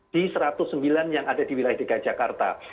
di satu ratus sembilan yang ada di wilayah dki jakarta